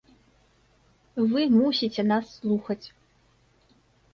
Вы мусіце нас слухаць!